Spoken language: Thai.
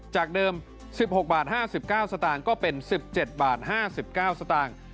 จากเดิม๑๖บาท๕๙สตางค์ก็เป็น๑๗บาท๕๙สตางค์